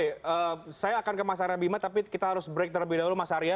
oke saya akan ke mas arya bima tapi kita harus break terlebih dahulu mas arya